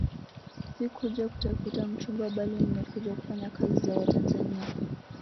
Sikuja kutafuta mchumba bali nimekuja kufanya kazi za Watanzania